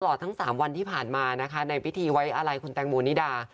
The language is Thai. ตลอดทั้ง๓วันที่ผ่านมานะคะในพิธีไว้อะไรคุณแตงโมนิดา